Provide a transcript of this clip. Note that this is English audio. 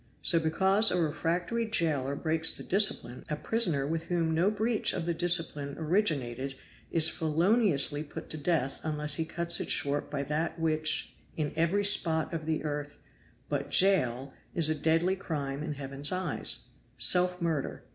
So because a refractory jailer breaks the discipline, a prisoner with whom no breach of the discipline originated is feloniously put to death unless he cuts it short by that which in every spot of the earth but Jail is a deadly crime in Heaven's eyes self murder."